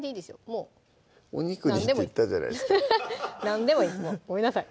もうお肉にって言ったじゃないですか何でもいいごめんなさい